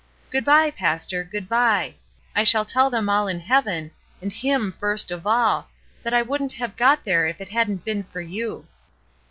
"Good by, pastor, good by; I shall tell them all in heaven, and Him first of all, that I wouldn't have got there if it hadn't been for you."